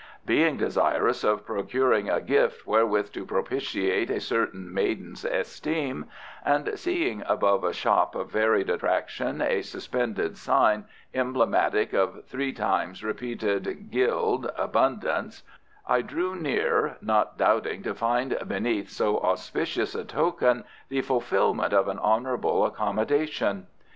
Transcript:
Being desirous of procuring a gift wherewith to propitiate a certain maiden's esteem, and seeing above a shop of varied attraction a suspended sign emblematic of three times repeated gild abundance I drew near, not doubting to find beneath so auspicious a token the fulfilment of an honourable accommodation.